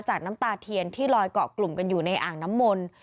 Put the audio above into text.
น้ำตาเทียนที่ลอยเกาะกลุ่มกันอยู่ในอ่างน้ำมนต์